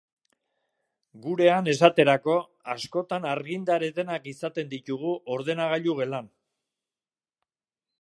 Gurean, esaterako, askotan argindar etenak izaten ditugu ordenagailu gelan.